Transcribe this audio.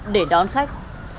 để đón khách